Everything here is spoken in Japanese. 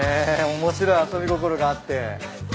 面白い遊び心があって。